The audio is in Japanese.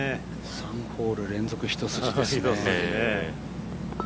３ホール連続一筋ですね。